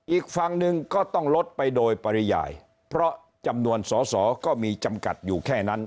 อีกฝั่งหนึ่งก็ต้องลดไปโดยปริยายเพราะจำนวนสอสอก็มีจำกัดอยู่แค่นั้น